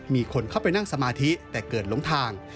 มีคนเข้าไปนั่งสมาธิแต่เกิดล้มทาง